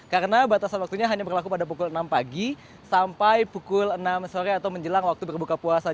karena batasan waktunya hanya berlaku pada pukul enam pagi sampai pukul enam sore atau menjelang waktu berbuka puasa